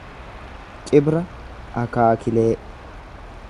Cibra akaakilee